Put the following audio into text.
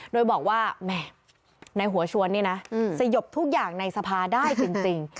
โดยบอกว่าแหม่ในหัวชวนนี่นะสยบทุกอย่างในสภาได้จริง